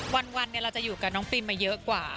วันเราจะอยู่กับน้องปิมมาเยอะกว่า